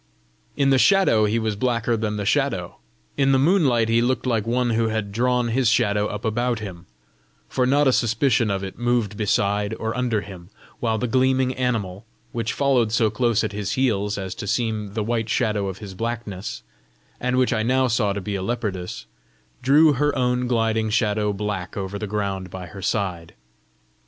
In the shadow he was blacker than the shadow; in the moonlight he looked like one who had drawn his shadow up about him, for not a suspicion of it moved beside or under him; while the gleaming animal, which followed so close at his heels as to seem the white shadow of his blackness, and which I now saw to be a leopardess, drew her own gliding shadow black over the ground by her side.